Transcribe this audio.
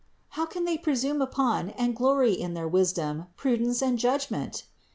How can they presume upon and glory in their wisdom, prudence or judgment?